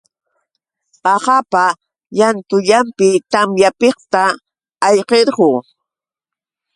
Qaqapa llantullanpi tamyapiqta ayqirquu.